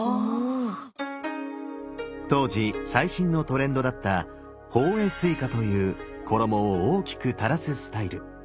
当時最新のトレンドだった「法衣垂下」という衣を大きく垂らすスタイル。